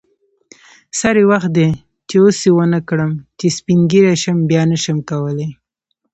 سری وخت دی چی اوس یی ونکړم چی سپین ږیری شم بیا نشم کولی